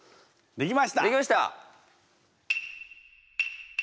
できました。